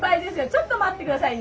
ちょっと待って下さい。